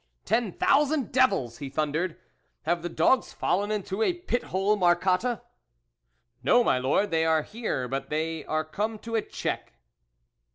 " Ten thousand devils !" he thundered. " Have the dogs fallen into a pit hole, Marcotte ?"" No, my Lord, they are here, but they are come to a check."